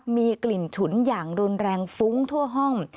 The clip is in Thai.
มีกลิ่นฉุนอย่างรุนแรงฟุ้งทั่วห้อง